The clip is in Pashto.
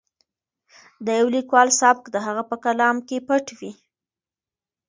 د یو لیکوال سبک د هغه په کلام کې پټ وي.